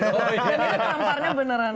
dan itu tamparnya beneran